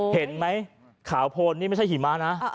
เห็นไหมขาวโพนนี่ไม่ใช่หิมะนะ